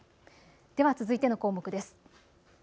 では続いての項目です。